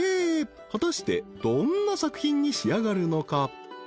［果たしてどんな作品に仕上がるのか］